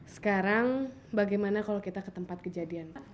sekarang bagaimana kalau kita ke tempat kejadian